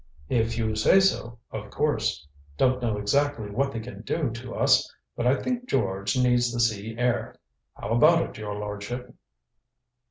"If you say so, of course. Don't know exactly what they can do to us but I think George needs the sea air. How about it, your lordship?"